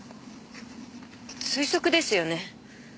推測ですよね？